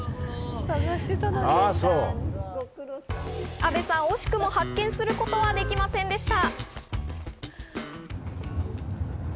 阿部さん、惜しくも発見することはできませんでした。